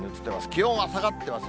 気温は下がってます。